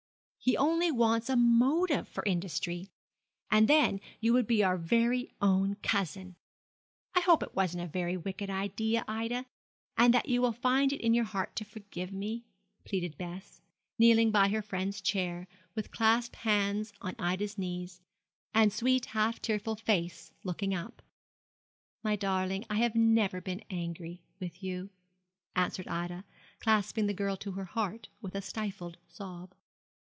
He only wants a motive for industry. And then you would be our very own cousin! I hope it wasn't a very wicked idea, Ida, and that you will find it in your heart to forgive me,' pleaded Bess, kneeling by her friend's chair, with clasped bands upon Ida's knees, and sweet, half tearful face looking up, 'My darling, I have never been angry with you,' answered Ida, clasping the girl to her heart, with a stifled sob.